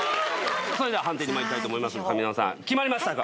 判定にまいりたいと思いますが上沼さん決まりましたか？